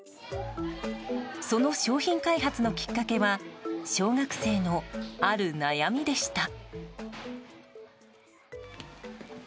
その商品開発のきっかけは小学生のある悩みでした。